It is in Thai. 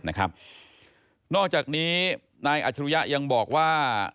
นอกจากนี้นายอัจฉริยะยังบอกว่า